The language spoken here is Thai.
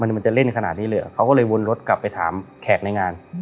มันจะเล่นขนาดนี้เลยเหรอเขาก็เลยวนรถกลับไปถามแขกในงาน